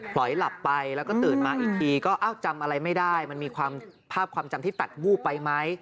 ลอยหลับไปแล้วก็ตื่นมาอีกทีก็เอ้าจำอะไรไม่ได้มันมีความภาพความจำที่ตัดวูบไปไหม